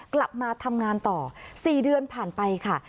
กลับมาทำงานต่อ๔เดือนผ่านไปค่ะ